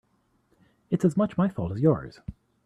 It's as much my fault as yours.